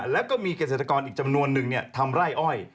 แล้วก็มีเกษตรกรอีกจำนวนนึงทำไร่อ้อย